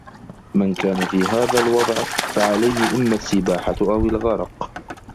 من كان في هذا الوضع، فعليه إمّا السّباحة أو الغرق.